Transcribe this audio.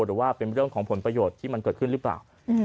หรือว่าเป็นเรื่องของผลประโยชน์ที่มันเกิดขึ้นหรือเปล่า